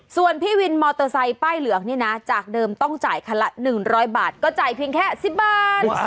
ส่วนพี่วินมอเตอร์ไซค์ป้ายเหลืองนี่นะจากเดิมต้องจ่ายคันละ๑๐๐บาทก็จ่ายเพียงแค่๑๐บาท